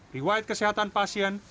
riwayat kesehatan pasien